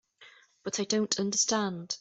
But I don't understand.